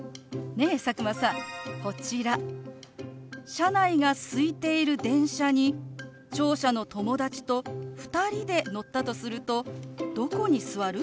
車内がすいている電車に聴者の友達と２人で乗ったとするとどこに座る？